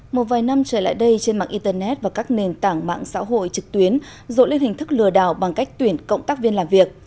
một vài năm trở lại đây trên mạng internet và các nền tảng mạng xã hội trực tuyến rộn lên hình thức lừa đảo bằng cách tuyển cộng tác viên làm việc